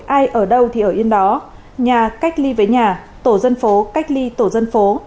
ai ở đâu thì ở yên đó nhà cách ly với nhà tổ dân phố cách ly tổ dân phố